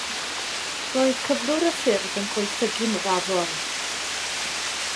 Roedd cyflwr y ffyrdd yn gwaethygu'n raddol.